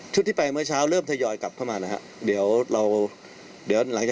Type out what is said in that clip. ชุดที่ไปเมื่อเช้าเริ่มทยอยกลับเข้ามานะครับ